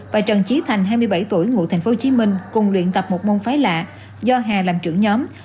và trần trí thành hai mươi bảy tuổi ngụ thành phố hồ chí minh cùng luyện tập một môn phái lạ do hà làm trưởng nhóm